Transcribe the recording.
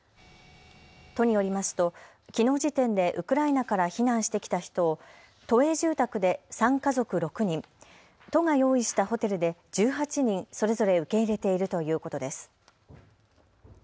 都によりますときのう時点でウクライナから避難してきた人を都営住宅で３家族６人、都が用意したホテルで１８人それぞれ受け入れているということです。